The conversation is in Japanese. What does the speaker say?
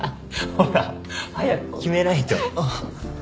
ほら早く決めないと。